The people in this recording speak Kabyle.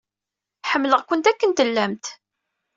Ḥemmleɣ-kent akken tellamt.